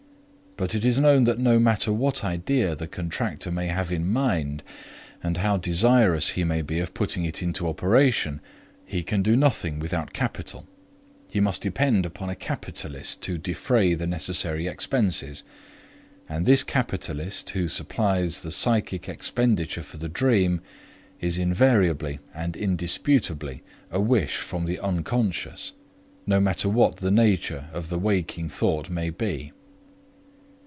But it is known that no matter what idea the contractor may have in mind, and how desirous he may be of putting it into operation, he can do nothing without capital; he must depend upon a capitalist to defray the necessary expenses, and this capitalist, who supplies the psychic expenditure for the dream is invariably and indisputably a wish from the unconscious, no matter what the nature of the waking thought may be.